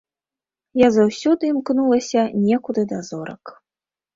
Я заўсёды імкнулася некуды да зорак.